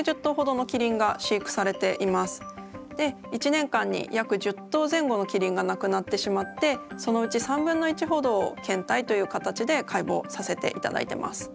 １年間に約１０頭前後のキリンが亡くなってしまってそのうち３分の１ほどを献体という形で解剖させていただいてます。